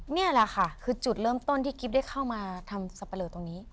นี่แหละค่ะคือจุดเริ่มต้นที่กิ๊บได้เข้ามาทำสับปะเลอตรงนี้